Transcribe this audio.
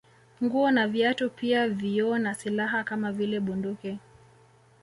Nguo na viatu pia vioo na silaha kama vile bunduki